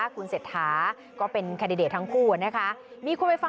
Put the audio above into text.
คุณเศรษฐาก็เป็นแคนดิเดตทั้งคู่นะคะ